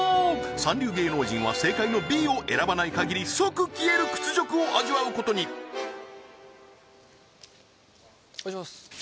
三流芸能人は正解のＢを選ばないかぎり即消える屈辱を味わうことにお願いします